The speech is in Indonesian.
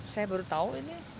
saya baru tahu ini